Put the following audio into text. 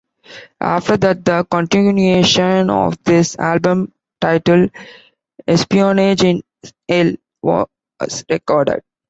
After that the continuation of this album titled "Espionage in Hell" was recorded.